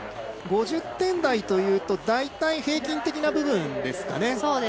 ５０点台というと大体、平均的な部分ですかね。